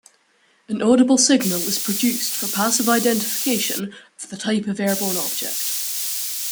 An audible signal is produced for passive identification of the type of airborne object.